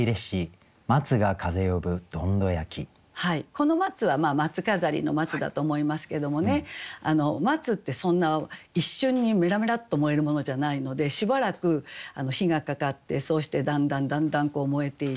この「松」は松飾りの松だと思いますけどもね松ってそんな一瞬にメラメラッと燃えるものじゃないのでしばらく火がかかってそうしてだんだんだんだん燃えていく。